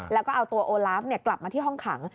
แล้วก็เอาตัวโอลาฟกลับมาที่ห้องขัง